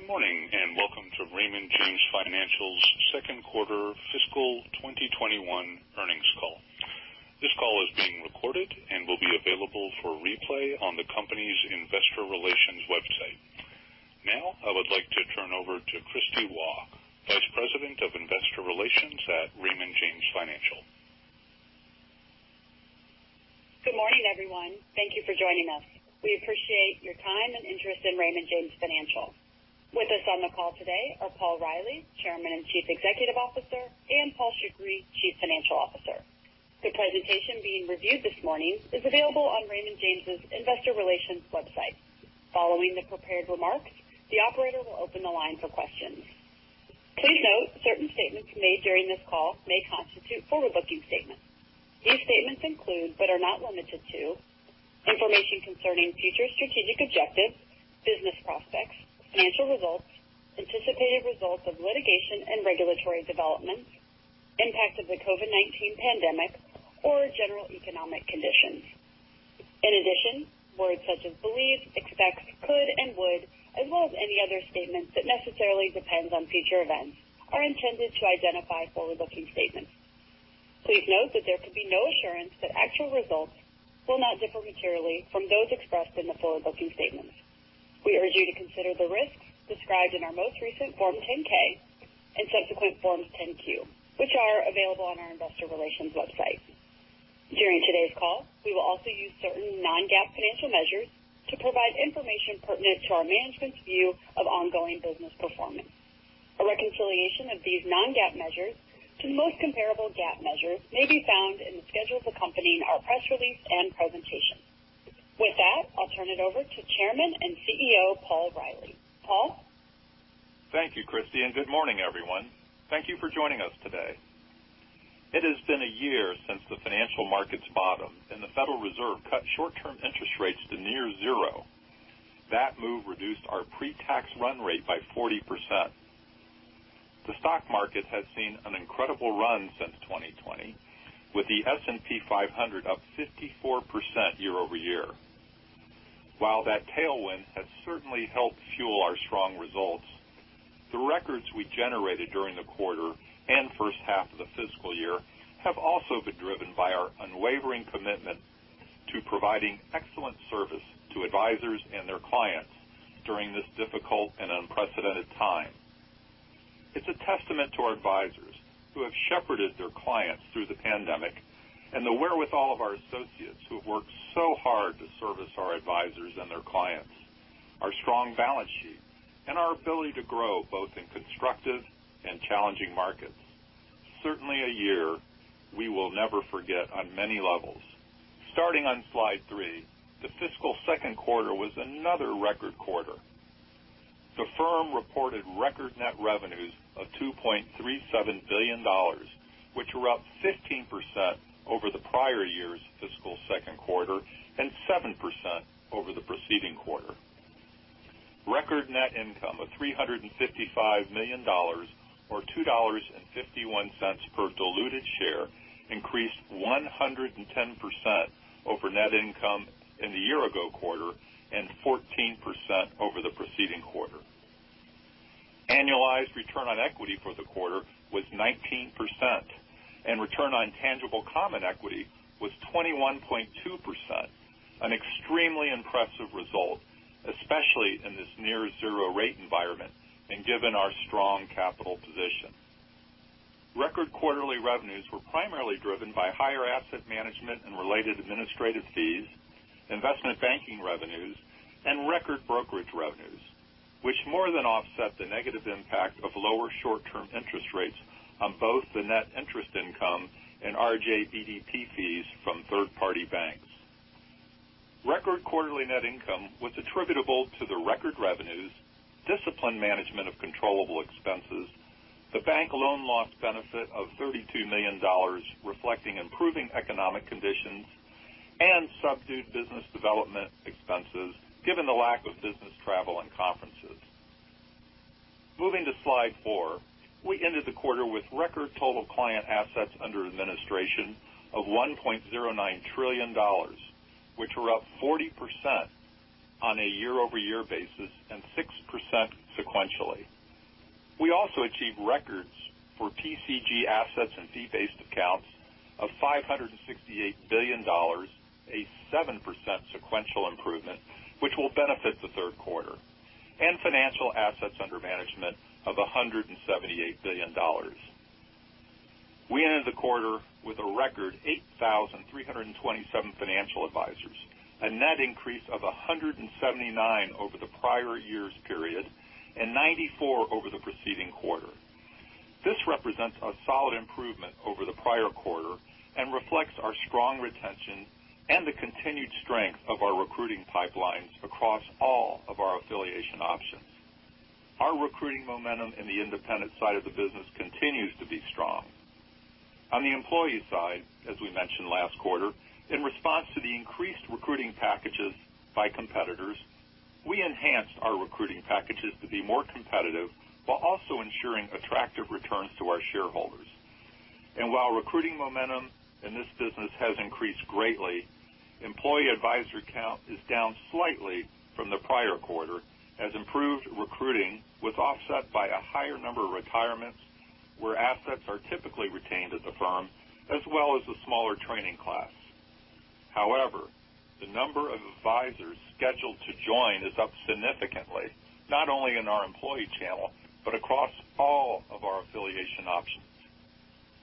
Good morning, and welcome to Raymond James Financial's Second Quarter Fiscal 2021 Earnings Call. This call is being recorded and will be available for replay on the company's investor relations website. Now, I would like to turn over to Kristie Waugh, Vice President of Investor Relations at Raymond James Financial. Good morning, everyone. Thank you for joining us. We appreciate your time and interest in Raymond James Financial. With us on the call today are Paul Reilly, Chairman and Chief Executive Officer, and Paul Shoukry, Chief Financial Officer. The presentation being reviewed this morning is available on Raymond James' investor relations website. Following the prepared remarks, the Operator will open the line for questions. Please note certain statements made during this call may constitute forward-looking statements. These statements include, but are not limited to, information concerning future strategic objectives, business prospects, financial results, anticipated results of litigation and regulatory developments, impact of the COVID-19 pandemic, or general economic conditions. In addition, words such as believe, expects, could, and would, as well as any other statements that necessarily depends on future events, are intended to identify forward-looking statements. Please note that there can be no assurance that actual results will not differ materially from those expressed in the forward-looking statements. We urge you to consider the risks described in our most recent Form 10-K and subsequent Forms 10-Q, which are available on our investor relations website. During today's call, we will also use certain non-GAAP financial measures to provide information pertinent to our management's view of ongoing business performance. A reconciliation of these non-GAAP measures to the most comparable GAAP measure may be found in the schedules accompanying our press release and presentation. With that, I'll turn it over to Chairman and Chief Executive Officer, Paul Reilly. Paul? Thank you, Kristie. Good morning, everyone. Thank you for joining us today. It has been a year since the financial markets bottomed and the Federal Reserve cut short-term interest rates to near zero. That move reduced our pre-tax run rate by 40%. The stock market has seen an incredible run since 2020, with the S&P 500 up 54% year-over-year. While that tailwind has certainly helped fuel our strong results, the records we generated during the quarter and first half of the fiscal year have also been driven by our unwavering commitment to providing excellent service to advisors and their clients during this difficult and unprecedented time. It's a testament to our advisors who have shepherded their clients through the pandemic, and the wherewithal of our associates who have worked so hard to service our advisors and their clients, our strong balance sheet, and our ability to grow both in constructive and challenging markets. Certainly a year we will never forget on many levels. Starting on slide three, the fiscal second quarter was another record quarter. The firm reported record net revenues of $2.37 billion, which were up 15% over the prior year's fiscal second quarter, and 7% over the preceding quarter. Record net income of $355 million, or $2.51 per diluted share, increased 110% over net income in the year-ago quarter and 14% over the preceding quarter. Annualized return on equity for the quarter was 19%, and return on tangible common equity was 21.2%, an extremely impressive result, especially in this near zero rate environment and given our strong capital position. Record quarterly revenues were primarily driven by higher Asset Management and related administrative fees, investment banking revenues, and record brokerage revenues, which more than offset the negative impact of lower short-term interest rates on both the net interest income and RJBDP fees from third-party banks. Record quarterly net income was attributable to the record revenues, disciplined management of controllable expenses, the bank loan loss benefit of $32 million, reflecting improving economic conditions, and subdued business development expenses given the lack of business travel and conferences. Moving to slide four. We ended the quarter with record total client assets under administration of $1.09 trillion, which were up 40% on a year-over-year basis and 6% sequentially. We also achieved records for PCG assets and fee-based accounts of $568 billion, a 7% sequential improvement, which will benefit the third quarter, and financial assets under management of $178 billion. We ended the quarter with a record 8,327 financial advisors, a net increase of 179 over the prior year's period and 94 over the preceding quarter. This represents a solid improvement over the prior quarter and reflects our strong retention and the continued strength of our recruiting pipelines across all of our affiliation options. Our recruiting momentum in the independent side of the business continues to be strong. On the employee side, as we mentioned last quarter, in response to the increased recruiting packages by competitors, we enhanced our recruiting packages to be more competitive while also ensuring attractive returns to our shareholders. While recruiting momentum in this business has increased greatly, employee advisory count is down slightly from the prior quarter, as improved recruiting was offset by a higher number of retirements, where assets are typically retained at the firm, as well as the smaller training class. However, the number of advisors scheduled to join is up significantly, not only in our employee channel, but across all of our affiliation options.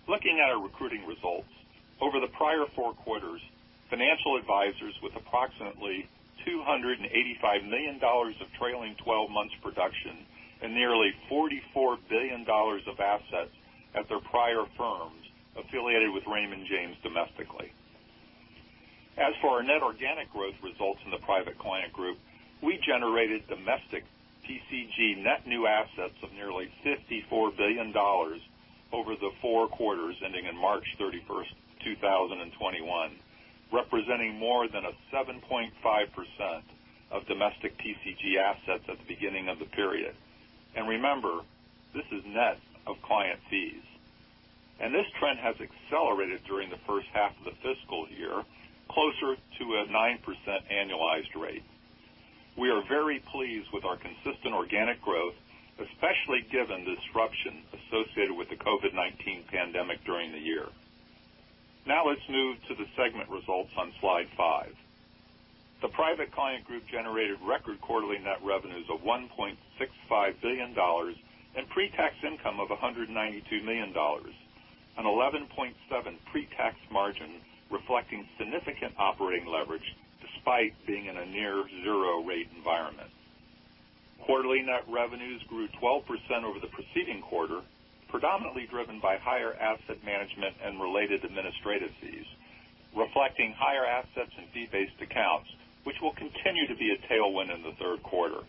Looking at our recruiting results, over the prior four quarters, financial advisors with approximately $285 million of trailing 12 months production and nearly $44 billion of assets at their prior firms affiliated with Raymond James domestically. As for our net organic growth results in the Private Client Group, we generated domestic PCG net new assets of nearly $54 billion over the four quarters ending in March 31st, 2021, representing more than a 7.5% of domestic PCG assets at the beginning of the period. Remember, this is net of client fees. This trend has accelerated during the first half of the fiscal year, closer to a 9% annualized rate. We are very pleased with our consistent organic growth, especially given the disruption associated with the COVID-19 pandemic during the year. Now let's move to the segment results on slide five. The Private Client Group generated record quarterly net revenues of $1.65 billion and pre-tax income of $192 million, an 11.7 pre-tax margin reflecting significant operating leverage despite being in a near zero rate environment. Quarterly net revenues grew 12% over the preceding quarter, predominantly driven by higher Asset Management and related administrative fees, reflecting higher assets in fee-based accounts, which will continue to be a tailwind in the third quarter.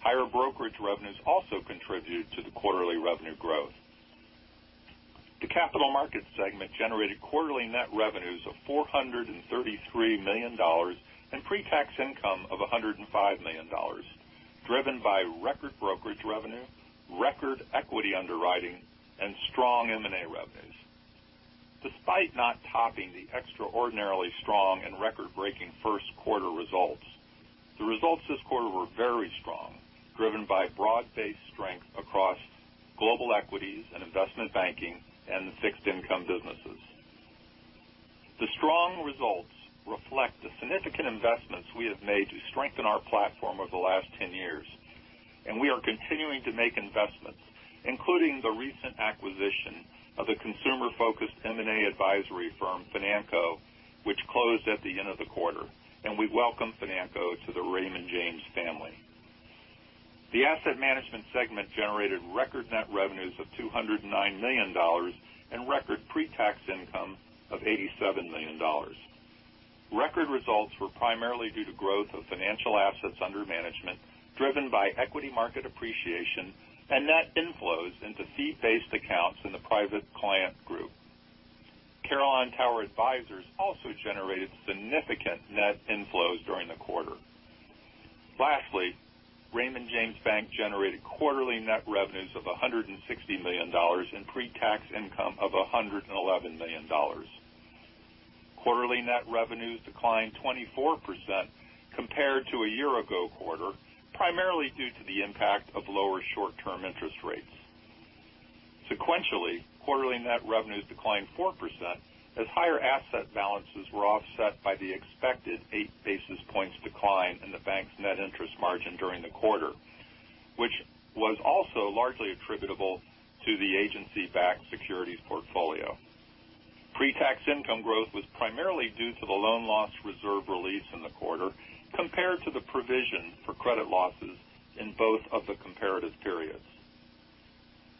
Higher brokerage revenues also contributed to the quarterly revenue growth. The Capital Markets segment generated quarterly net revenues of $433 million and pre-tax income of $105 million, driven by record brokerage revenue, record equity underwriting, and strong M&A revenues. Despite not topping the extraordinarily strong and record-breaking first quarter results, the results this quarter were very strong, driven by broad-based strength across global equities and investment banking and the fixed income businesses. The strong results reflect the significant investments we have made to strengthen our platform over the last 10 years. We are continuing to make investments, including the recent acquisition of the consumer-focused M&A advisory firm, Financo, which closed at the end of the quarter. We welcome Financo to the Raymond James family. The Asset Management segment generated record net revenues of $209 million and record pre-tax income of $87 million. Record results were primarily due to growth of financial assets under management, driven by equity market appreciation and net inflows into fee-based accounts in the Private Client Group. Carillon Tower Advisers also generated significant net inflows during the quarter. Lastly, Raymond James Bank generated quarterly net revenues of $160 million in pre-tax income of $111 million. Quarterly net revenues declined 24% compared to a year ago quarter, primarily due to the impact of lower short-term interest rates. Sequentially, quarterly net revenues declined 4% as higher asset balances were offset by the expected eight basis points decline in the bank's net interest margin during the quarter, which was also largely attributable to the agency-backed securities portfolio. Pre-tax income growth was primarily due to the loan loss reserve release in the quarter compared to the provision for credit losses in both of the comparative periods.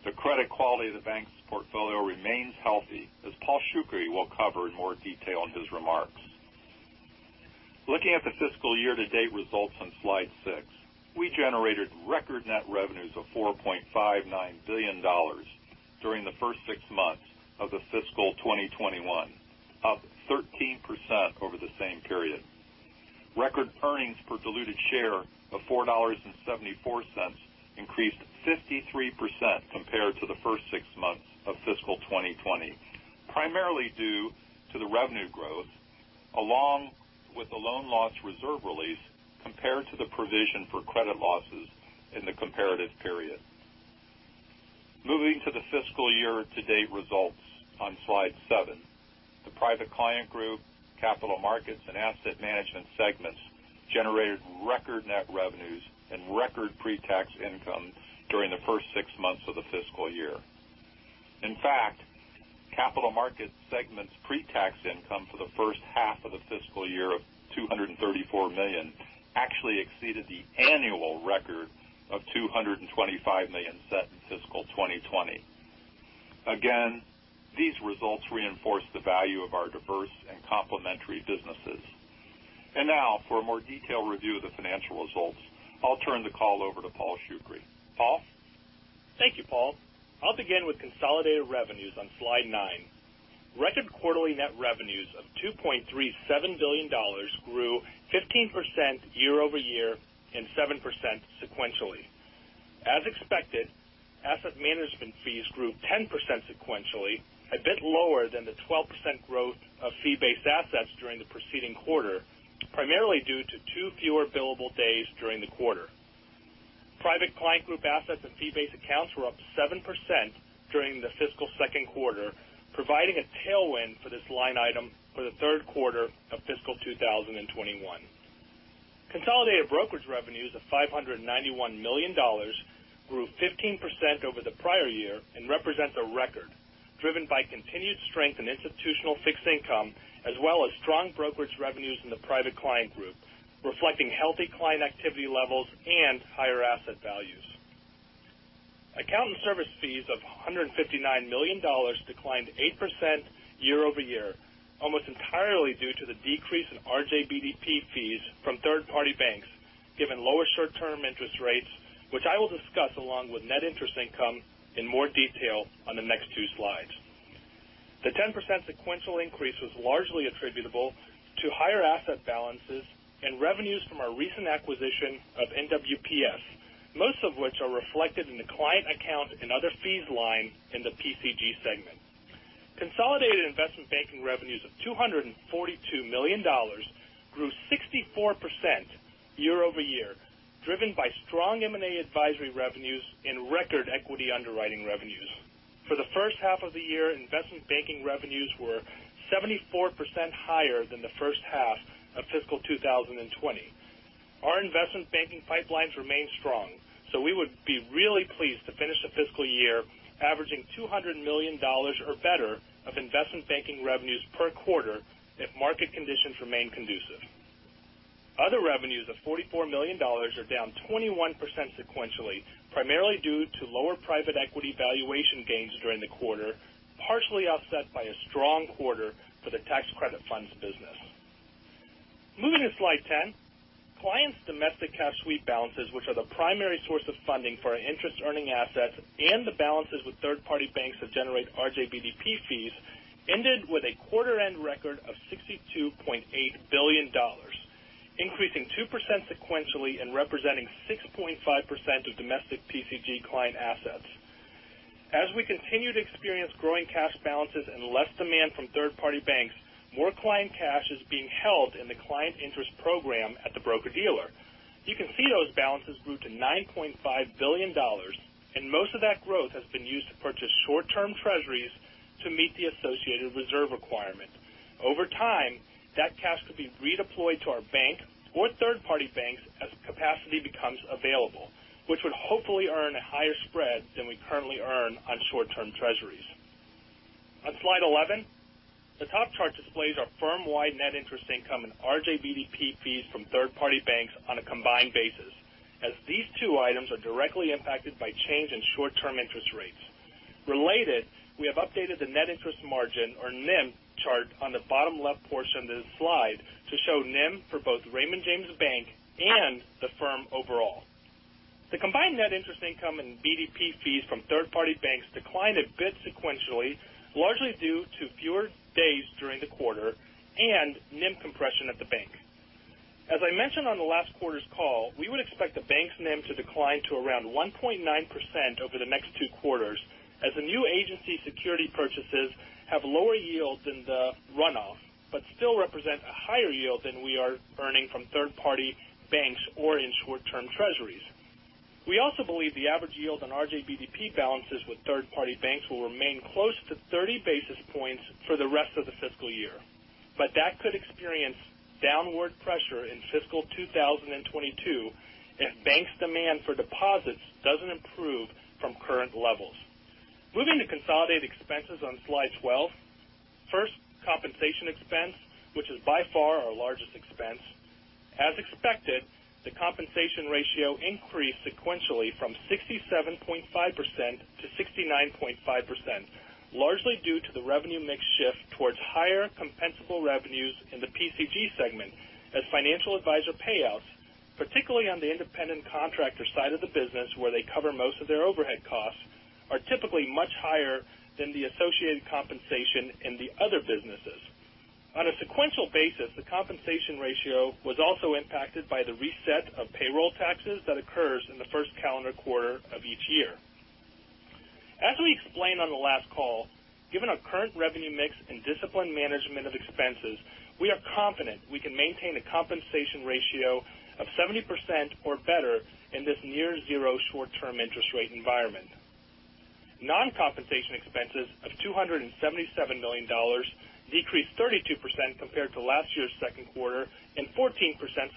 The credit quality of the bank's portfolio remains healthy, as Paul Shoukry will cover in more detail in his remarks. Looking at the fiscal year to date results on slide six, we generated record net revenues of $4.59 billion during the first six months of the fiscal 2021, up 13% over the same period. Record earnings per diluted share of $4.74 increased 53% compared to the first six months of fiscal 2020, primarily due to the revenue growth, along with the loan loss reserve release, compared to the provision for credit losses in the comparative period. Moving to the fiscal year to date results on slide seven, the Private Client Group, Capital Markets, and Asset Management segments generated record net revenues and record pre-tax income during the first six months of the fiscal year. In fact, Capital Markets segment's pre-tax income for the first half of the fiscal year of $234 million actually exceeded the annual record of $225 million set in fiscal 2020. Again, these results reinforce the value of our diverse and complementary businesses. Now, for a more detailed review of the financial results, I'll turn the call over to Paul Shoukry. Paul? Thank you, Paul. I'll begin with consolidated revenues on slide nine. Record quarterly net revenues of $2.37 billion grew 15% year-over-year and 7% sequentially. As expected, Asset Management fees grew 10% sequentially, a bit lower than the 12% growth of fee-based assets during the preceding quarter, primarily due to two fewer billable days during the quarter. Private Client Group assets and fee-based accounts were up 7% during the fiscal second quarter, providing a tailwind for this line item for the third quarter of fiscal 2021. Consolidated brokerage revenues of $591 million grew 15% over the prior year and represent a record driven by continued strength in institutional fixed income as well as strong brokerage revenues in the Private Client Group, reflecting healthy client activity levels and higher asset values. Account and service fees of $159 million declined 8% year-over-year, almost entirely due to the decrease in RJBDP fees from third-party banks, given lower short-term interest rates, which I will discuss along with net interest income in more detail on the next two slides. The 10% sequential increase was largely attributable to higher asset balances and revenues from our recent acquisition of NWPS, most of which are reflected in the client account and other fees line in the PCG segment. Consolidated investment banking revenues of $242 million grew 64% year-over-year, driven by strong M&A advisory revenues and record equity underwriting revenues. For the first half of the year, investment banking revenues were 74% higher than the first half of fiscal 2020. Our investment banking pipelines remain strong, so we would be really pleased to finish the fiscal year averaging $200 million or better of investment banking revenues per quarter if market conditions remain conducive. Other revenues of $44 million are down 21% sequentially, primarily due to lower private equity valuation gains during the quarter, partially offset by a strong quarter for the tax credit funds business. Moving to slide 10. Clients' domestic cash sweep balances, which are the primary source of funding for our interest earning assets and the balances with third-party banks that generate RJBDP fees, ended with a quarter-end record of $62.8 billion, increasing 2% sequentially and representing 6.5% of domestic PCG client assets. As we continue to experience growing cash balances and less demand from third-party banks, more client cash is being held in the client interest program at the broker-dealer. You can see those balances grew to $9.5 billion, and most of that growth has been used to purchase short-term treasuries to meet the associated reserve requirement. Over time, that cash could be redeployed to our bank or third-party banks as capacity becomes available, which would hopefully earn a higher spread than we currently earn on short-term treasuries. On slide 11, the top chart displays our firm-wide net interest income and RJBDP fees from third-party banks on a combined basis, as these two items are directly impacted by change in short-term interest rates. Related, we have updated the net interest margin, or NIM, chart on the bottom left portion of this slide to show NIM for both Raymond James Bank and the firm overall. The combined net interest income and RJBDP fees from third-party banks declined a bit sequentially, largely due to fewer days during the quarter and NIM compression at the bank. As I mentioned on the last quarter's call, we would expect the bank's NIM to decline to around 1.9% over the next two quarters, as the new agency security purchases have lower yields than the runoff, but still represent a higher yield than we are earning from third-party banks or in short-term treasuries. We also believe the average yield on RJBDP balances with third-party banks will remain close to 30 basis points for the rest of the fiscal year, but that could experience downward pressure in fiscal 2022 if banks' demand for deposits doesn't improve from current levels. Moving to consolidated expenses on slide 12. First, compensation expense, which is by far our largest expense. As expected, the compensation ratio increased sequentially from 67.5% to 69.5%, largely due to the revenue mix shift towards higher compensable revenues in the PCG segment as financial advisor payouts, particularly on the independent contractor side of the business where they cover most of their overhead costs, are typically much higher than the associated compensation in the other businesses. On a sequential basis, the compensation ratio was also impacted by the reset of payroll taxes that occurs in the first calendar quarter of each year. As we explained on the last call, given our current revenue mix and disciplined management of expenses, we are confident we can maintain a compensation ratio of 70% or better in this near zero short-term interest rate environment. Non-compensation expenses of $277 million decreased 32% compared to last year's second quarter and 14%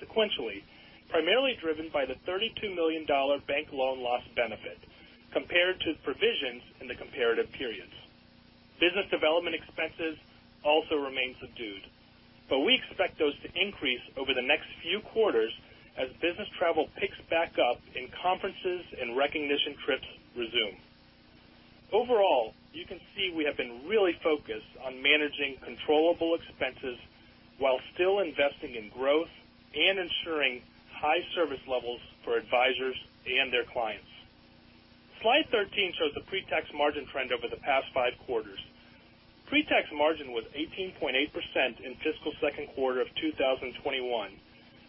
sequentially, primarily driven by the $32 million bank loan loss benefit compared to provisions in the comparative periods. Business development expenses also remain subdued. We expect those to increase over the next few quarters as business travel picks back up and conferences and recognition trips resume. Overall, you can see we have been really focused on managing controllable expenses while still investing in growth and ensuring high service levels for advisors and their clients. Slide 13 shows the pre-tax margin trend over the past five quarters. Pre-tax margin was 18.8% in fiscal second quarter of 2021,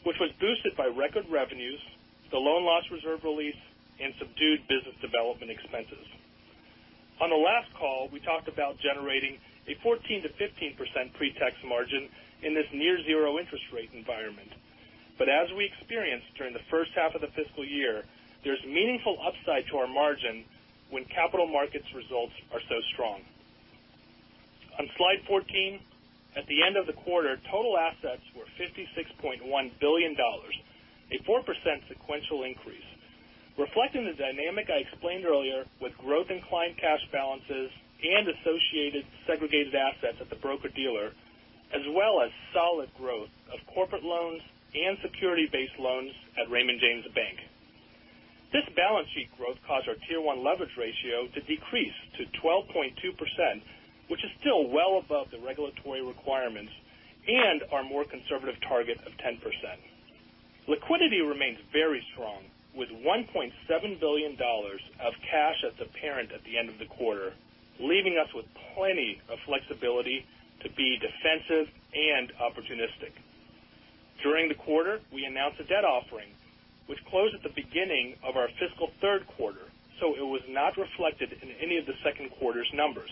which was boosted by record revenues, the loan loss reserve release, and subdued business development expenses. On the last call, we talked about generating a 14%-15% pre-tax margin in this near zero interest rate environment. As we experienced during the first half of the fiscal year, there's meaningful upside to our margin when Capital Markets results are so strong. On slide 14, at the end of the quarter, total assets were $56.1 billion, a 4% sequential increase. Reflecting the dynamic I explained earlier with growth in client cash balances and associated segregated assets at the broker-dealer, as well as solid growth of corporate loans and security-based loans at Raymond James Bank. This balance sheet growth caused our Tier 1 leverage ratio to decrease to 12.2%, which is still well above the regulatory requirements and our more conservative target of 10%. Liquidity remains very strong with $1.7 billion of cash at the parent at the end of the quarter, leaving us with plenty of flexibility to be defensive and opportunistic. During the quarter, we announced a debt offering which closed at the beginning of our fiscal third quarter, so it was not reflected in any of the second quarter's numbers.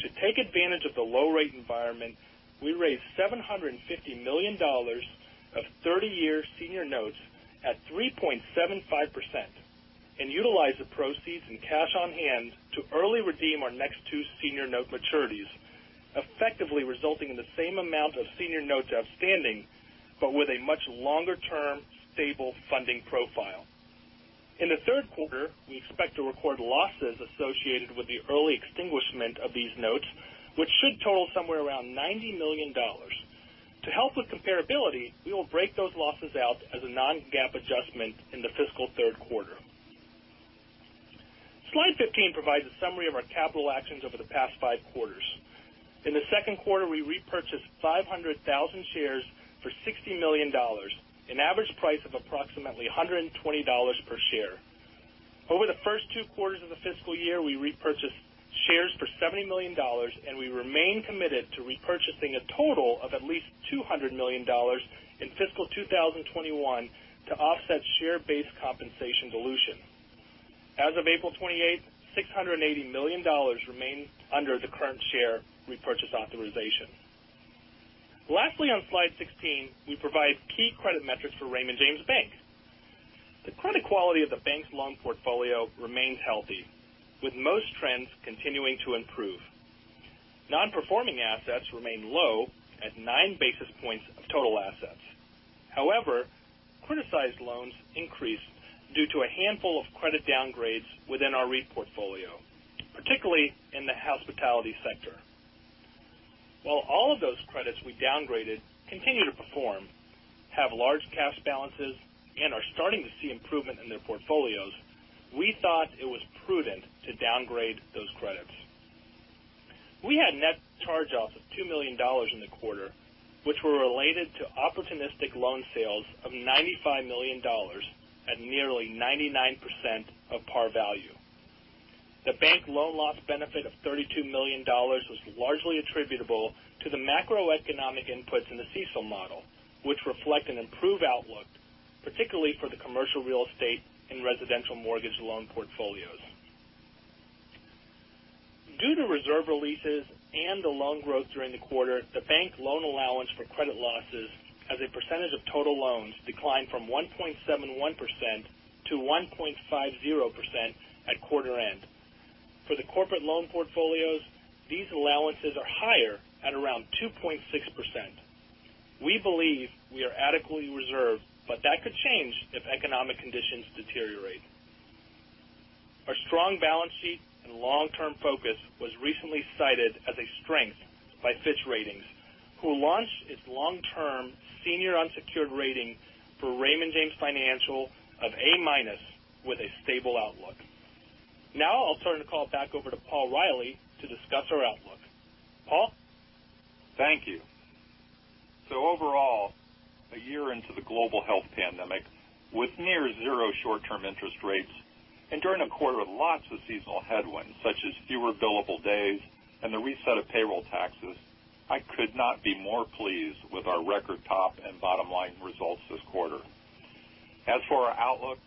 To take advantage of the low rate environment, we raised $750 million of 30-year senior notes at 3.75% and utilized the proceeds and cash on hand to early redeem our next two senior note maturities, effectively resulting in the same amount of senior notes outstanding, but with a much longer-term stable funding profile. In the third quarter, we expect to record losses associated with the early extinguishment of these notes, which should total somewhere around $90 million. To help with comparability, we will break those losses out as a non-GAAP adjustment in the fiscal third quarter. Slide 15 provides a summary of our capital actions over the past five quarters. In the second quarter, we repurchased 500,000 shares for $60 million, an average price of approximately $120 per share. Over the first two quarters of the fiscal year, we repurchased shares for $70 million, and we remain committed to repurchasing a total of at least $200 million in fiscal 2021 to offset share-based compensation dilution. As of April 28th, $680 million remains under the current share repurchase authorization. Lastly, on slide 16, we provide key credit metrics for Raymond James Bank. The credit quality of the bank's loan portfolio remains healthy, with most trends continuing to improve. Non-performing assets remain low at nine basis points of total assets. However, criticized loans increased due to a handful of credit downgrades within our REIT portfolio, particularly in the hospitality sector. While all of those credits we downgraded continue to perform, have large cash balances, and are starting to see improvement in their portfolios, we thought it was prudent to downgrade those credits. We had net charge-offs of $2 million in the quarter, which were related to opportunistic loan sales of $95 million at nearly 99% of par value. The bank loan loss benefit of $32 million was largely attributable to the macroeconomic inputs in the CECL model, which reflect an improved outlook, particularly for the commercial real estate and residential mortgage loan portfolios. Due to reserve releases and the loan growth during the quarter, the bank loan allowance for credit losses as a percentage of total loans declined from 1.71%-1.50% at quarter end. For the corporate loan portfolios, these allowances are higher at around 2.6%. We believe we are adequately reserved. That could change if economic conditions deteriorate. Our strong balance sheet and long-term focus was recently cited as a strength by Fitch Ratings, who launched its long-term senior unsecured rating for Raymond James Financial of A- with a stable outlook. I'll turn the call back over to Paul Reilly to discuss our outlook. Paul? Thank you. Overall, a year into the global health pandemic with near zero short-term interest rates and during a quarter with lots of seasonal headwinds, such as fewer billable days and the reset of payroll taxes, I could not be more pleased with our record top and bottom line results this quarter. As for our outlook,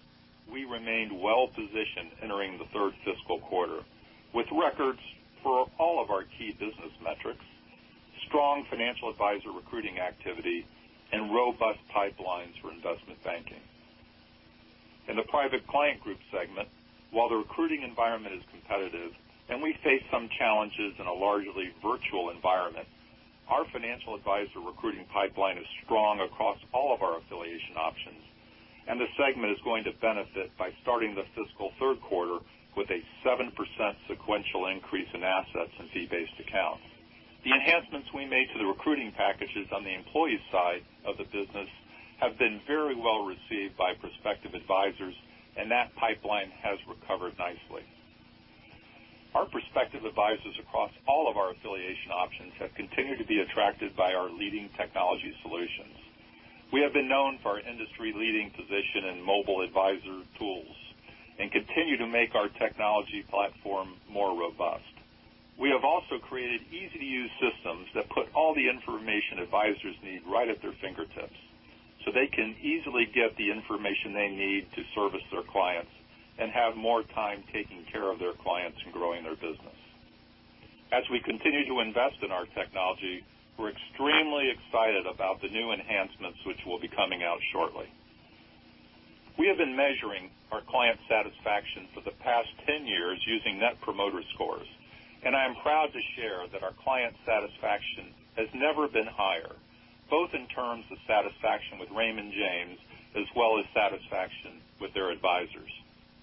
we remained well positioned entering the third fiscal quarter with records for all of our key business metrics, strong financial advisor recruiting activity, and robust pipelines for investment banking. In the Private Client Group segment, while the recruiting environment is competitive and we face some challenges in a largely virtual environment, our financial advisor recruiting pipeline is strong across all of our affiliation options. The segment is going to benefit by starting the fiscal third quarter with a 7% sequential increase in assets and fee-based accounts. The enhancements we made to the recruiting packages on the employee side of the business have been very well received by prospective advisors, and that pipeline has recovered nicely. Our prospective advisors across all of our affiliation options have continued to be attracted by our leading technology solutions. We have been known for our industry-leading position in mobile advisor tools and continue to make our technology platform more robust. We have also created easy-to-use systems that put all the information advisors need right at their fingertips so they can easily get the information they need to service their clients and have more time taking care of their clients and growing their business. As we continue to invest in our technology, we're extremely excited about the new enhancements which will be coming out shortly. We have been measuring our client satisfaction for the past 10 years using Net Promoter Scores, and I am proud to share that our client satisfaction has never been higher, both in terms of satisfaction with Raymond James, as well as satisfaction with their advisors.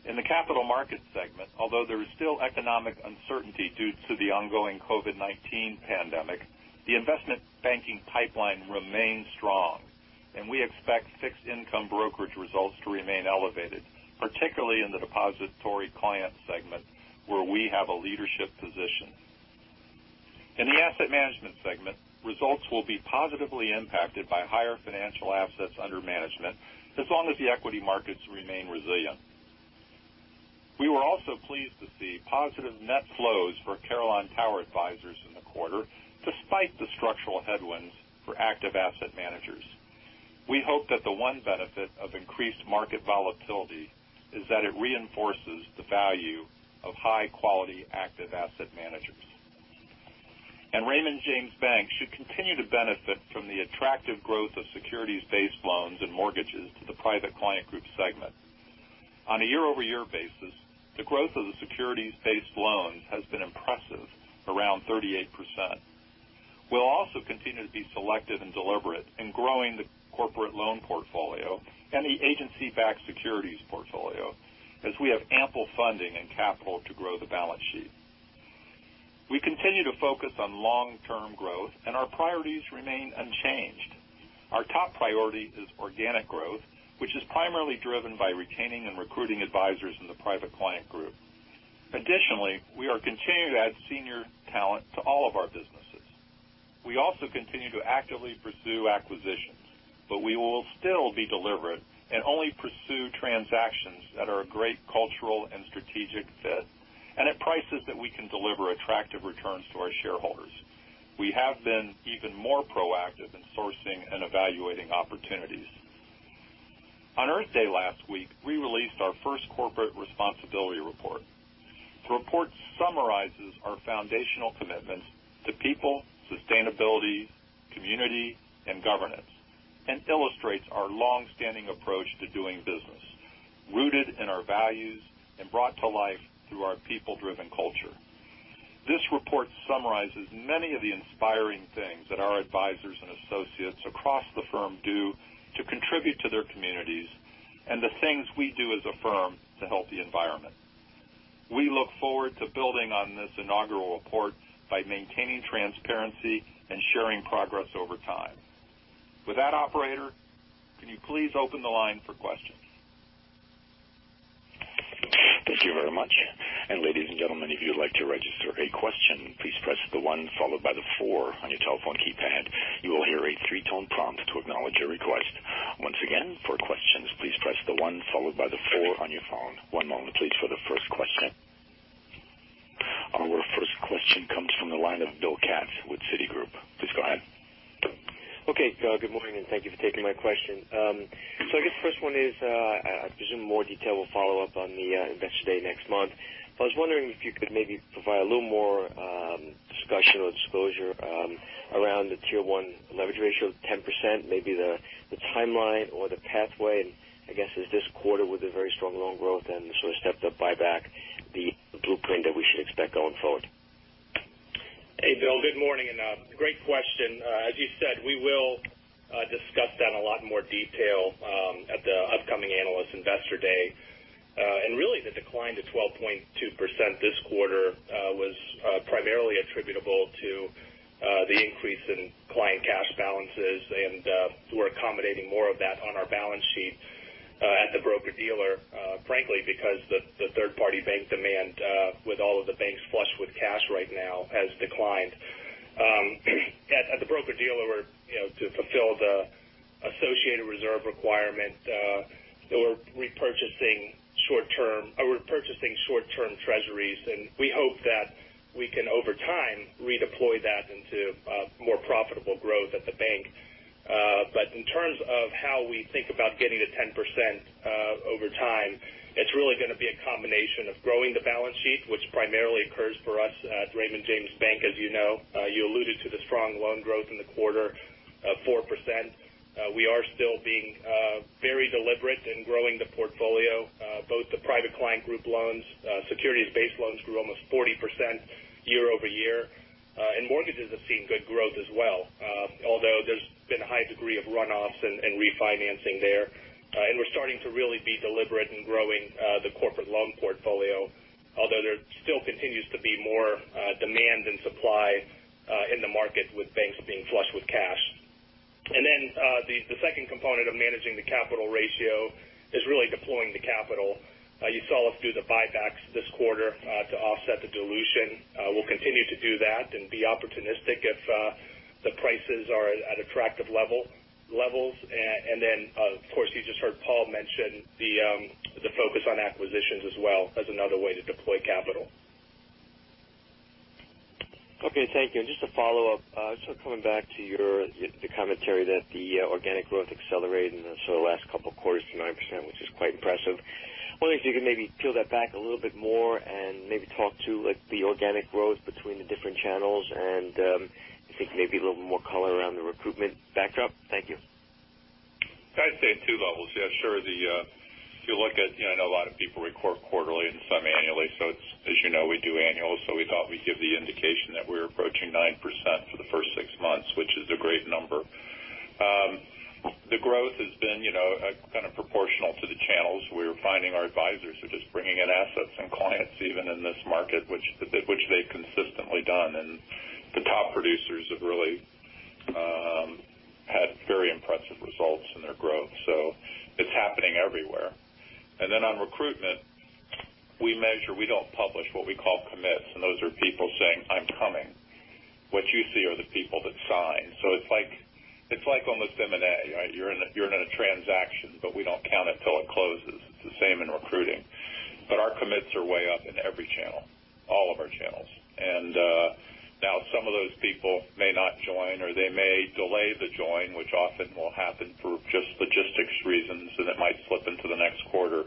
In the Capital Markets segment, although there is still economic uncertainty due to the ongoing COVID-19 pandemic, the investment banking pipeline remains strong, and we expect fixed income brokerage results to remain elevated, particularly in the depository client segment where we have a leadership position. In the Asset Management segment, results will be positively impacted by higher financial assets under management as long as the equity markets remain resilient. We were also pleased to see positive net flows for Carillon Tower Advisers in the quarter, despite the structural headwinds for active asset managers. We hope that the one benefit of increased market volatility is that it reinforces the value of high-quality active asset managers. Raymond James Bank should continue to benefit from the attractive growth of securities-based loans and mortgages to the Private Client Group segment. On a year-over-year basis, the growth of the securities-based loans has been impressive, around 38%. We'll also continue to be selective and deliberate in growing the corporate loan portfolio and the agency-backed securities portfolio, as we have ample funding and capital to grow the balance sheet. We continue to focus on long-term growth, and our priorities remain unchanged. Our top priority is organic growth, which is primarily driven by retaining and recruiting advisors in the Private Client Group. Additionally, we are continuing to add senior talent to all of our businesses. We also continue to actively pursue acquisitions, but we will still be deliberate and only pursue transactions that are a great cultural and strategic fit, and at prices that we can deliver attractive returns to our shareholders. We have been even more proactive in sourcing and evaluating opportunities. On Earth Day last week, we released our first corporate responsibility report. The report summarizes our foundational commitments to people, sustainability, community, and governance, and illustrates our longstanding approach to doing business, rooted in our values and brought to life through our people-driven culture. This report summarizes many of the inspiring things that our advisors and associates across the firm do to contribute to their communities, and the things we do as a firm to help the environment. We look forward to building on this inaugural report by maintaining transparency and sharing progress over time. With that, Operator, can you please open the line for questions? Thank you very much. Ladies and gentlemen, if you'd like to register a question, please press the one followed by the four on your telephone keypad. You will hear a three-tone prompt to acknowledge your request. Once again, for questions, please press the one followed by the four on your phone. One moment please for the first question. Our first question comes from the line of Bill Katz with Citigroup. Please go ahead. Okay. Good morning, and thank you for taking my question. I guess the first one is, I presume more detail will follow up on the Investor Day next month, but I was wondering if you could maybe provide a little more discussion or disclosure around the Tier 1 leverage ratio of 10%, maybe the timeline or the pathway, and I guess, is this quarter with a very strong loan growth and sort of stepped up buyback the blueprint that we should expect going forward? Hey, Bill. Good morning, great question. As you said, we will discuss that in a lot more detail at the upcoming Analyst Investor Day. Really, the decline to 12.2% this quarter was primarily attributable to the increase in client cash balances, and we're accommodating more of that on our balance sheet at the broker-dealer, frankly, because the third-party bank demand with all of the banks flush with cash right now has declined. At the broker-dealer, to fulfill the associated reserve requirement, we're purchasing short-term treasuries, we hope that we can, over time, redeploy that into more profitable growth at the bank. In terms of how we think about getting to 10% over time, it's really going to be a combination of growing the balance sheet, which primarily occurs for us at Raymond James Bank, as you know. You alluded to the strong loan growth in the quarter of 4%. We are still being very deliberate in growing the portfolio. Both the Private Client Group loans, securities-based loans grew almost 40% year-over-year. Mortgages have seen good growth as well, although there's been a high degree of runoffs and refinancing there. We're starting to really be deliberate in growing the corporate loan portfolio, although there still continues to be more demand than supply in the market with banks being flush with cash. Then, the second component of managing the capital ratio is really deploying the capital. You saw us do the buybacks this quarter to offset the dilution. We'll continue to do that and be opportunistic if the prices are at attractive levels. Of course, you just heard Paul mention the focus on acquisitions as well as another way to deploy capital. Okay, thank you. Just to follow up, coming back to the commentary that the organic growth accelerated in the last couple of quarters to 9%, which is quite impressive. I'm wondering if you could maybe peel that back a little bit more and maybe talk to the organic growth between the different channels and if you could maybe give a little more color around the recruitment backdrop. Thank you. I'd say at two levels. Yeah, sure. I know a lot of people record quarterly and some annually. As you know, we do annual. We thought we'd give the indication that we're approaching 9% for the first six months, which is a great number. The growth has been proportional to the channels. We're finding our advisors are just bringing in assets and clients even in this market, which they've consistently done. The top producers have really had very impressive results in their growth. It's happening everywhere. On recruitment, we measure, we don't publish what we call commits. Those are people saying, "I'm coming." What you see are the people that sign. It's like on this M&A, right? You're in a transaction, we don't count it till it closes. It's the same in recruiting. Our commits are way up in every channel, all of our channels. Now some of those people may not join, or they may delay the join, which often will happen for just logistics reasons, and it might slip into the next quarter.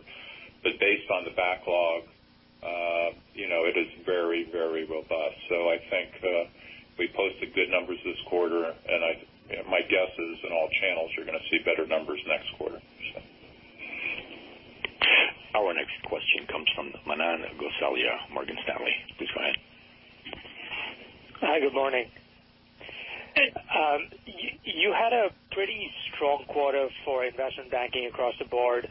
Based on the backlog, it is very robust. I think we posted good numbers this quarter, and my guess is in all channels, you're going to see better numbers next quarter. Our next question comes from Manan Gosalia, Morgan Stanley. Please go ahead. Hi, good morning. You had a pretty strong quarter for investment banking across the board.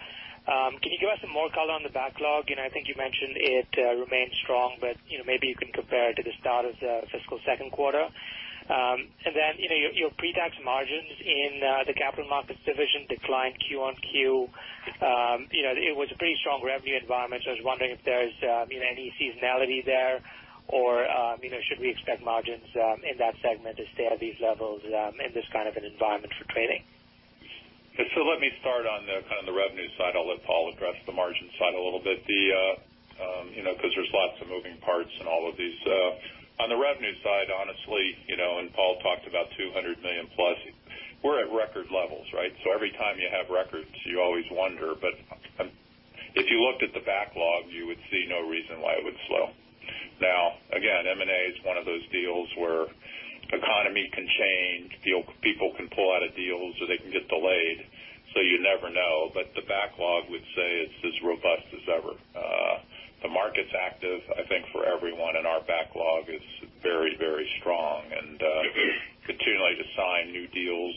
Can you give us some more color on the backlog? I think you mentioned it remains strong, but maybe you can compare it to the start of the fiscal second quarter. Your pre-tax margins in the Capital Markets division declined Q-on-Q. It was a pretty strong revenue environment, I was wondering if there's any seasonality there or should we expect margins in that segment to stay at these levels in this kind of an environment for trading? Let me start on the revenue side. I'll let Paul address the margin side a little bit because there's lots of moving parts in all of these. On the revenue side, honestly, Paul talked about $200+ million, we're at record levels, right? Every time you have records, you always wonder, but if you looked at the backlog, you would see no reason why it would slow. Now, again, M&A is one of those deals where the economy can change, people can pull out of deals or they can get delayed, so you never know. The backlog would say it's as robust as ever. The market's active, I think, for everyone, and our backlog is very strong and continuing to sign new deals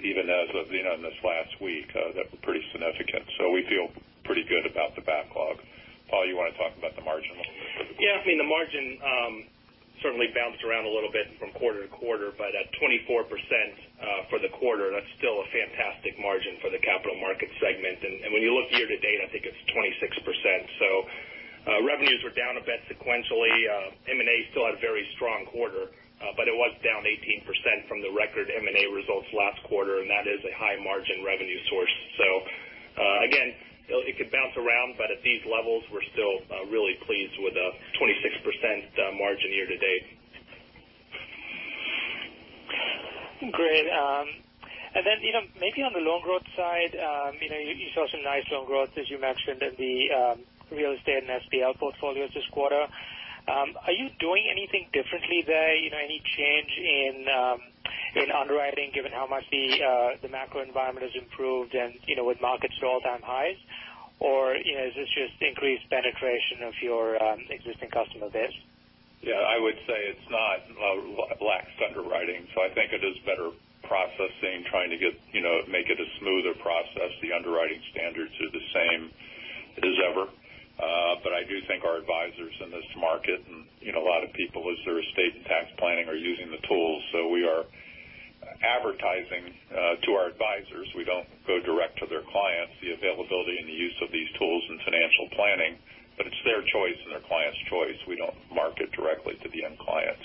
even as of this last week, that were pretty significant. We feel pretty good about the backlog. Paul, you want to talk about the margin a little bit? Yeah. The margin certainly bounced around a little bit from quarter-to-quarter, but at 24% for the quarter, that's still a fantastic margin for the Capital Markets segment. When you look year-to-date, I think it's 26%. Revenues were down a bit sequentially. M&A still had a very strong quarter, but it was down 18% from the record M&A results last quarter, and that is a high margin revenue source. Again, it could bounce around, but at these levels, we're still really pleased with a 26% margin year-to-date. Great. Maybe on the loan growth side, you saw some nice loan growth, as you mentioned, in the real estate and SBL portfolios this quarter. Are you doing anything differently there? Any change in underwriting, given how much the macro environment has improved and with markets at all-time highs? Is this just increased penetration of your existing customer base? Yeah. I would say it's not lax underwriting. I think it is better processing, trying to make it a smoother process. The underwriting standards are the same as ever. I do think our advisors in this market, and a lot of people as their estate and tax planning, are using the tools. We are advertising to our advisors. We don't go direct to their clients, the availability and the use of these tools in financial planning, but it's their choice and their client's choice. We don't market directly to the end client.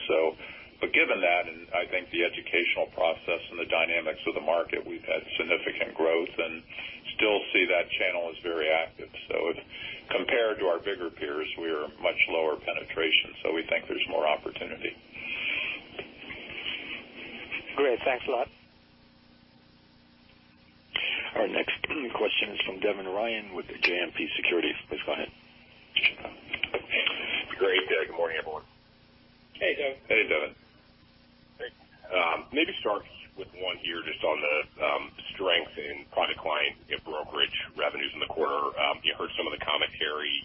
Given that, and I think the educational process and the dynamics of the market, we've had significant growth and still see that channel as very active. Compared to our bigger peers, we are much lower penetration, so we think there's more opportunity. Great. Thanks a lot. Our next question is from Devin Ryan with JMP Securities. Please go ahead. Great. Good morning, everyone. Hey, Devin. Hey, Devin. Great. Maybe start with one here just on the strength in private client brokerage revenues in the quarter. We heard some of the commentary,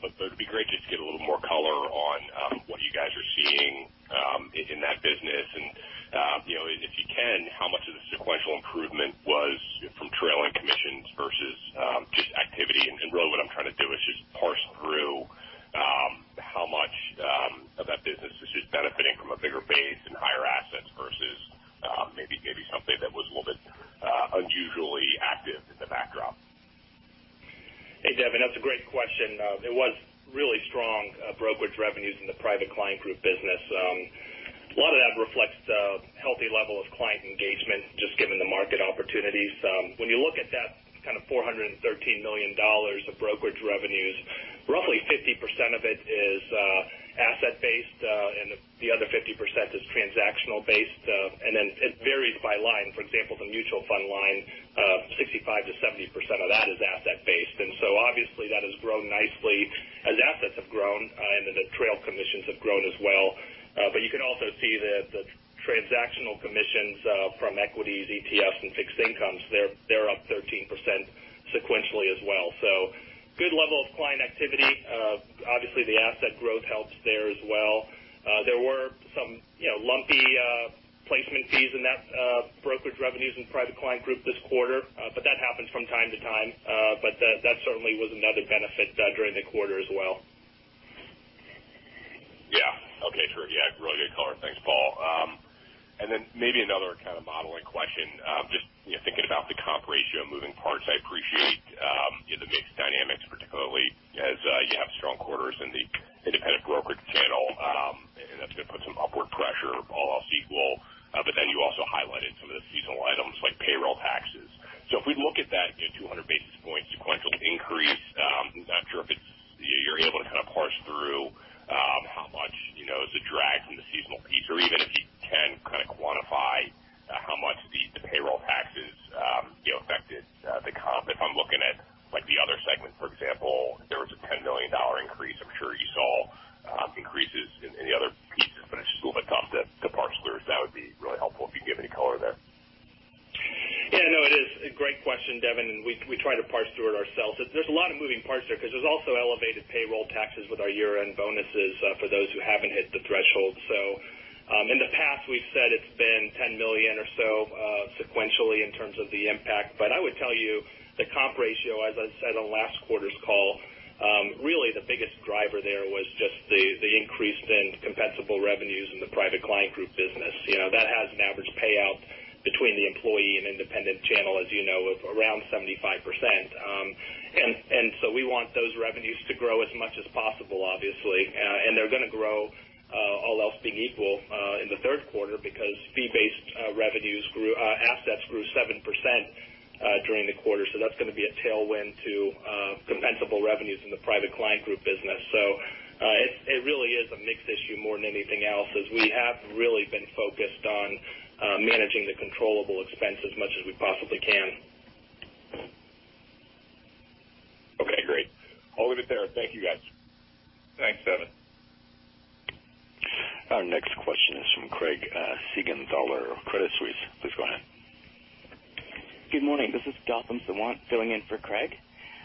but it'd be great just to get a little more color on what you guys are seeing in that business. If you can, how much of the sequential improvement was from trailing commissions versus just activity? Really what I'm trying to do is maybe something that was a little bit unusually active in the backdrop. Hey, Devin, that's a great question. It was really strong brokerage revenues in the Private Client Group business. A lot of that reflects the healthy level of client engagement, just given the market opportunities. You look at that $413 million of brokerage revenues, roughly 50% of it is asset-based, and the other 50% is transactional based. It varies by line. For example, the mutual fund line, 65%-70% of that is asset-based. Obviously that has grown nicely as assets have grown, and the trail commissions have grown as well. You can also see that the transactional commissions from equities, ETFs, and fixed incomes, they're up 13% sequentially as well. Good level of client activity. Obviously, the asset growth helps there as well. There were some lumpy placement fees in that brokerage revenues and Private Client Group this quarter. That happens from time to time, but that certainly was another benefit during the quarter as well. Yeah. Okay, sure. Yeah, really good color. Thanks, Paul. Maybe another kind of modeling question. Just thinking about the comp ratio moving parts, I appreciate the mix dynamics, particularly as you have strong quarters in the independent brokerage channel, and that's going to put some upward pressure all else equal. You also highlighted some of the seasonal items like payroll taxes. If we look at that again, 200 basis point sequential increase, I'm not sure if you're able to kind of parse through how much is a drag from the seasonal piece or even if you can kind of quantify how much the payroll taxes affected the comp. If I'm looking at the other segment, for example, there was a $10 million increase. I'm sure you saw increases in the other pieces, but it's just a little bit tough to parse through. That would be really helpful if you could give any color there. Yeah, no, it is a great question, Devin, and we try to parse through it ourselves. There's a lot of moving parts there because there's also elevated payroll taxes with our year-end bonuses for those who haven't hit the threshold. In the past we've said it's been $10 million or so sequentially in terms of the impact. I would tell you the comp ratio, as I said on last quarter's call, really the biggest driver there was just the increase in compensable revenues in the Private Client Group business. That has an average payout between the employee and independent channel as you know of around 75%. We want those revenues to grow as much as possible, obviously. They're going to grow, all else being equal, in the third quarter because fee-based revenues grew, assets grew 7% during the quarter. That's going to be a tailwind to compensable revenues in the Private Client Group business. It really is a mix issue more than anything else, as we have really been focused on managing the controllable expense as much as we possibly can. Okay, great. I'll leave it there. Thank you, guys. Thanks, Devin. Our next question is from Craig Siegenthaler of Credit Suisse. Please go ahead. Good morning. This is Gautam Sawant filling in for Craig.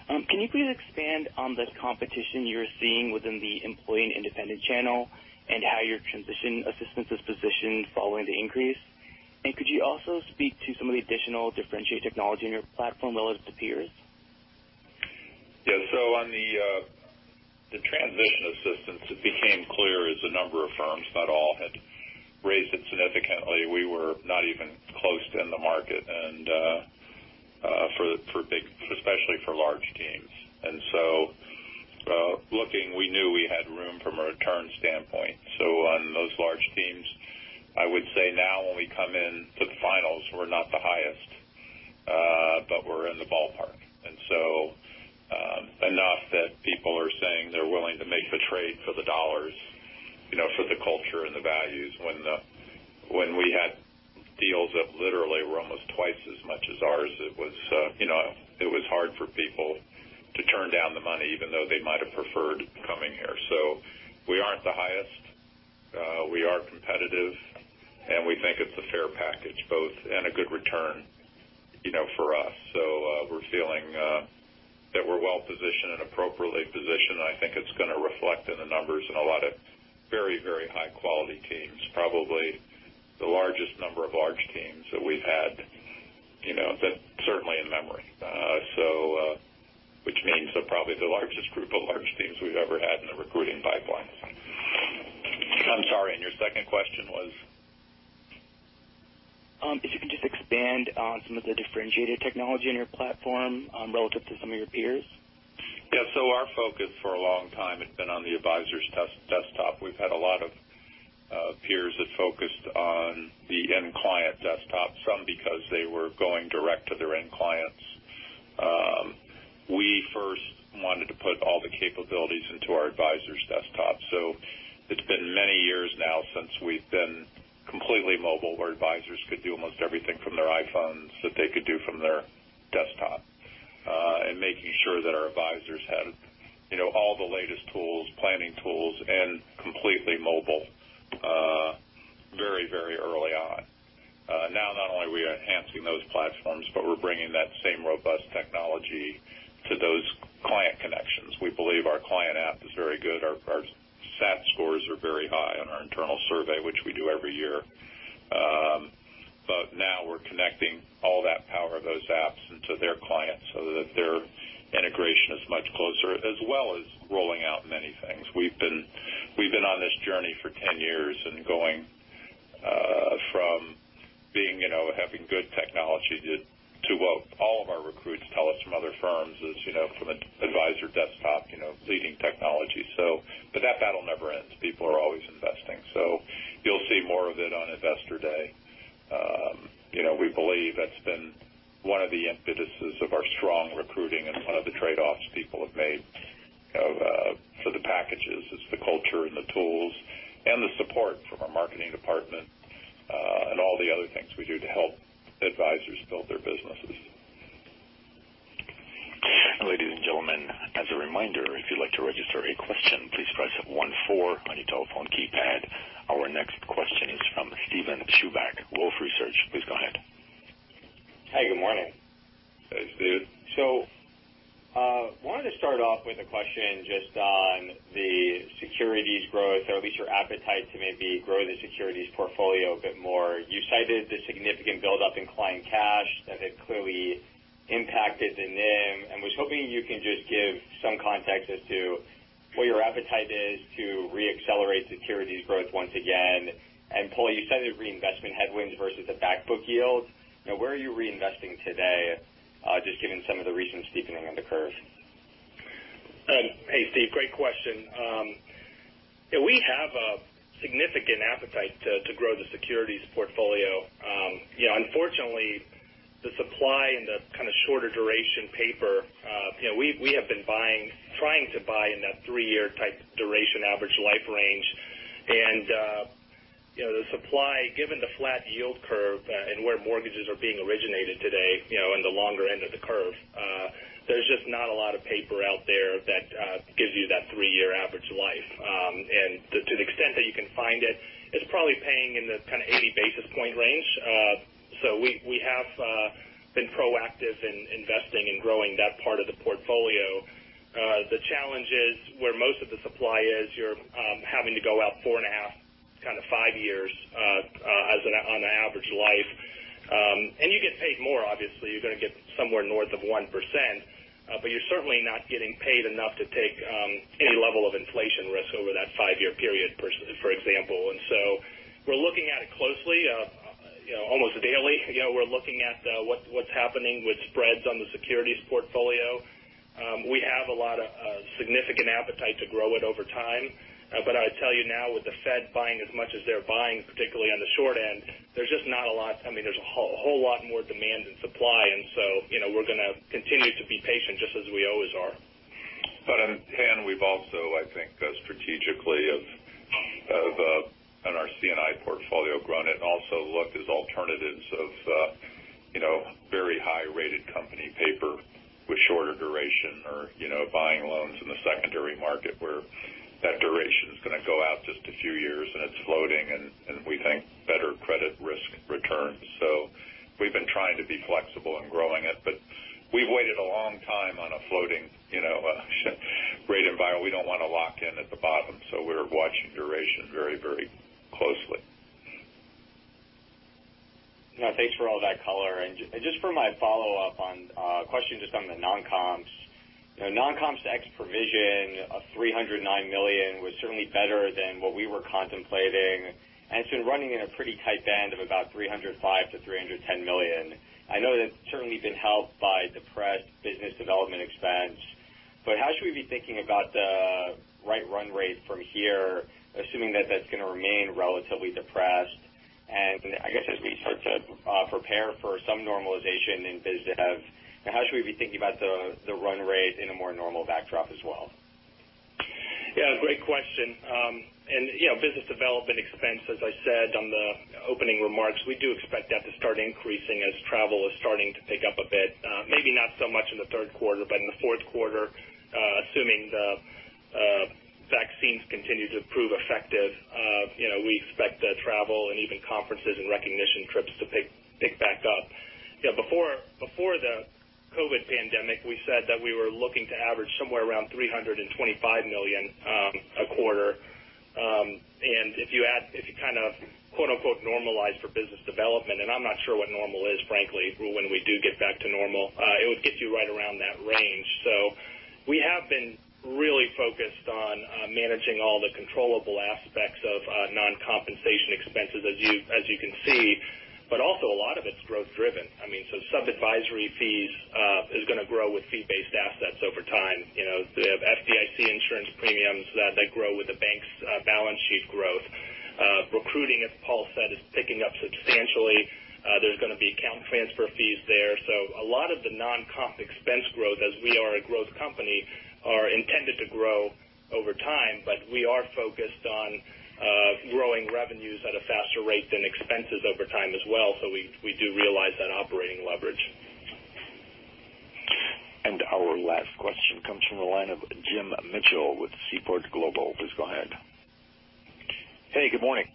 Can you please expand on the competition you're seeing within the employee and independent channel and how your transition assistance is positioned following the increase? Could you also speak to some of the additional differentiated technology in your platform relative to peers? Yeah. On the transition assistance, it became clear as a number of firms, not all, had raised it significantly. We were not even close to in the market, especially for large teams. Looking, we knew we had room from a return standpoint. On those large teams, I would say now when we come in to the finals, we're not the highest, but we're in the ballpark. Enough that people are saying they're willing to make the trade for the dollars, for the culture and the values. When we had deals that literally were almost twice as much as ours, it was hard for people to turn down the money even though they might have preferred coming here. We aren't the highest. We are competitive, and we think it's a fair package, both and a good return for us. We're feeling that we're well positioned and appropriately positioned, and I think it's going to reflect in the numbers in a lot of very high-quality teams, probably the largest number of large teams that we've had certainly in memory. Which means they're probably the largest group of large teams we've ever had in the recruiting pipeline. I'm sorry. Your second question was? If you can just expand on some of the differentiated technology in your platform relative to some of your peers. Yeah. Our focus for a long time had been on the advisor's desktop. We've had a lot of peers that focused on the end client desktop, some because they were going direct to their end clients. We first wanted to put all the capabilities into our advisor's desktop. It's been many years now since we've been completely mobile where advisors could do almost everything from their iPhones that they could do from their desktop, and making sure that our advisors had all the latest tools, planning tools, and completely mobile very, very early on. Now not only are we enhancing those platforms, but we're bringing that same robust technology to those client connections. We believe our client app is very good. Our Net Promoter Scores are very high on our internal survey, which we do every year. Now we're connecting all that power of those apps into their clients so that their integration is much closer, as well as rolling out many things. We've been on this journey for 10 years and going from having good technology to what all of our recruits tell us from other firms is from advisor desktop leading technology. That battle never ends. People are always investing. You'll see more of it on Investor Day. We believe it's been one of the impetuses of our strong recruiting and one of the trade-offs people have made for the packages is the culture and the tools and the support from our marketing department, and all the other things we do to help advisors build their businesses. Ladies and gentlemen, as a reminder, if you'd like to register a question, please press one four on your telephone keypad. Our next question is from Steven Chubak, Wolfe Research. Please go ahead. Hey, good morning. Hey, Steve. Wanted to start off with a question just on the securities growth or at least your appetite to maybe grow the securities portfolio a bit more. You cited the significant buildup in client cash that had clearly impacted the NIM, and was hoping you can just give some context as to what your appetite is to re-accelerate securities growth once again. Paul, you cited reinvestment headwinds versus the back book yields. Where are you reinvesting today, just given some of the recent steepening of the curve? Hey, Steve. Great question. We have a significant appetite to grow the securities portfolio. Unfortunately, the supply and the kind of shorter duration paper we have been trying to buy in that three-year type duration average life range. The supply, given the flat yield curve and where mortgages are being originated today in the longer end of the curve, there's just not a lot of paper out there that gives you that three-year average life. To the extent that you can find it's probably paying in the kind of 80 basis point range. We have been proactive in investing and growing that part of the portfolio. The challenge is where most of the supply is you're having to go out 4.5, kind of five years on an average life. You get paid more obviously. You're going to get somewhere north of 1%. You're certainly not getting paid enough to take any level of inflation risk over that five-year period, for example. We're looking at it closely almost daily. We're looking at what's happening with spreads on the securities portfolio. We have a lot of significant appetite to grow it over time. I'd tell you now with the Fed buying as much as they're buying, particularly on the short end, there's a whole lot more demand than supply. We're going to continue to be patient just as we always are. On hand, we've also, I think, strategically have on our C&I portfolio grown it and also looked as alternatives of very high-rated company paper with shorter duration or buying loans in the secondary market where that duration is going to go out just a few years and it's floating, and we think better credit risk returns. We've been trying to be flexible in growing it, but we've waited a long time on a floating rate environment. We don't want to lock in at the bottom. We're watching duration very closely. No, thanks for all that color. Just for my follow-up on a question just on the non-comps. Non-comps ex provision of $309 million was certainly better than what we were contemplating. It's been running in a pretty tight band of about $305 million-$310 million. I know that's certainly been helped by depressed business development expense. How should we be thinking about the right run rate from here, assuming that that's going to remain relatively depressed? I guess as we start to prepare for some normalization in biz dev, how should we be thinking about the run rate in a more normal backdrop as well? Yeah, great question. Business development expense, as I said on the opening remarks, we do expect that to start increasing as travel is starting to pick up a bit. Maybe not so much in the third quarter, but in the fourth quarter, assuming the vaccines continue to prove effective we expect travel and even conferences and recognition trips to pick back up. Before the COVID pandemic, we said that we were looking to average somewhere around $325 million a quarter. If you kind of "normalized" for business development, and I'm not sure what normal is, frankly, when we do get back to normal, it would get you right around that range. We have been really focused on managing all the controllable aspects of non-compensation expenses as you can see. But also a lot of it's growth driven. I mean, sub-advisory fees is going to grow with fee-based assets over time. They have FDIC insurance premiums that grow with the bank's balance sheet growth. Recruiting, as Paul said, is picking up substantially. There's going to be account transfer fees there. A lot of the non-comp expense growth as we are a growth company are intended to grow over time, but we are focused on growing revenues at a faster rate than expenses over time as well. We do realize that operating leverage. Our last question comes from the line of Jim Mitchell with Seaport Global. Please go ahead. Hey, good morning.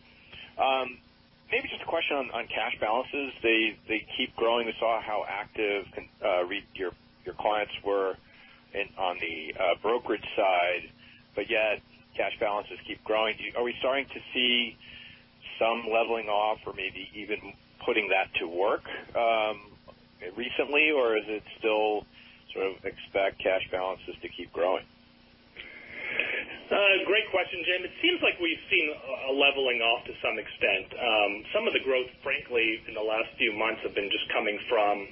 Maybe just a question on cash balances. They keep growing. We saw how active your clients were on the brokerage side, but yet cash balances keep growing. Are we starting to see some leveling off or maybe even putting that to work recently, or is it still expect cash balances to keep growing? Great question, Jim. It seems like we've seen a leveling off to some extent. Some of the growth, frankly, in the last few months have been just coming from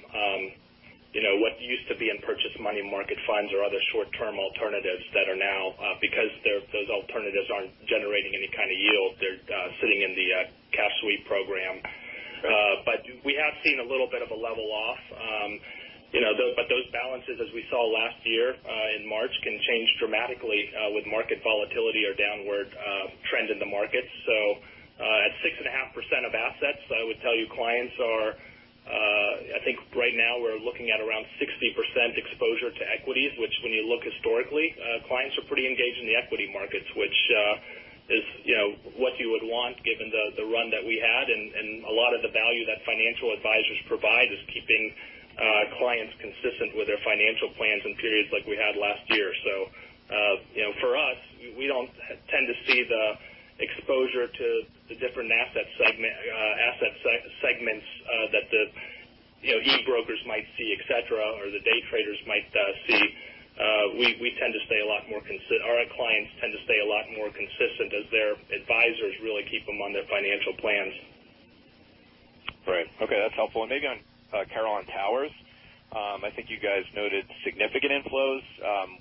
what used to be in purchased money market funds or other short-term alternatives that are now, because those alternatives aren't generating any kind of yield. They're sitting in the cash sweep program. We have seen a little bit of a level off. Those balances, as we saw last year in March, can change dramatically with market volatility or downward trend in the market. At 6.5% of assets, I would tell you I think right now we're looking at around 60% exposure to equities, which when you look historically, clients are pretty engaged in the equity markets, which is what you would want given the run that we had. A lot of the value that financial advisors provide is keeping clients consistent with their financial plans in periods like we had last year. For us, we don't tend to see the exposure to the different asset segments that the e-brokers might see, et cetera, or the day traders might see. Our clients tend to stay a lot more consistent as their advisors really keep them on their financial plans. Right. Okay, that's helpful. Maybe on Carillon Tower, I think you guys noted significant inflows.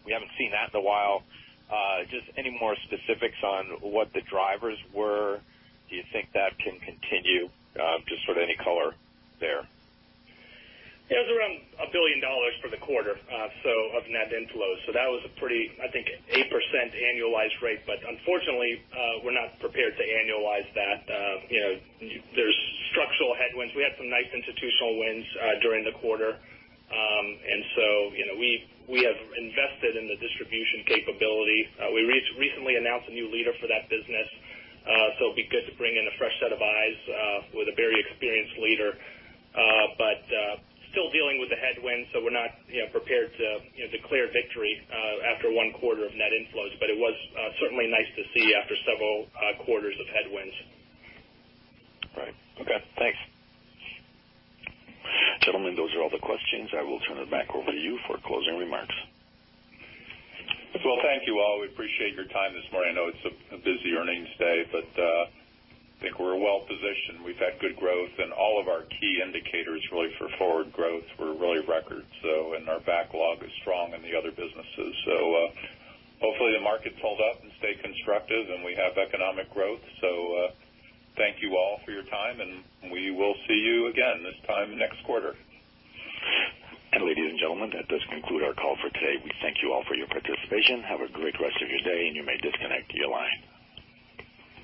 We haven't seen that in a while. Just any more specifics on what the drivers were? Do you think that can continue? Just any color there? It was around a billion dollars for the quarter of net inflows. That was a pretty, I think, 8% annualized rate. Unfortunately, we're not prepared to annualize that. There's structural headwinds. We had some nice institutional wins during the quarter. We have invested in the distribution capability. We recently announced a new leader for that business. It'll be good to bring in a fresh set of eyes with a very experienced leader. Still dealing with the headwinds, we're not prepared to declare victory after one quarter of net inflows. It was certainly nice to see after several quarters of headwinds. Right. Okay, thanks. Gentlemen, those are all the questions. I will turn it back over to you for closing remarks. Well, thank you all. We appreciate your time this morning. I know it's a busy earnings day. I think we're well positioned. We've had good growth. All of our key indicators really for forward growth were really record. Our backlog is strong in the other businesses. Hopefully the market holds up and stay constructive. We have economic growth. Thank you all for your time. We will see you again this time next quarter. Ladies and gentlemen, that does conclude our call for today. We thank you all for your participation. Have a great rest of your day, and you may disconnect your line.